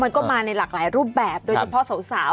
มันก็มาในหลากหลายรูปแบบโดยเฉพาะสาว